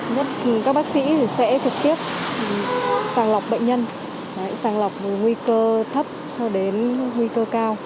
nhất các bác sĩ sẽ trực tiếp sàng lọc bệnh nhân sàng lọc nguy cơ thấp cho đến nguy cơ cao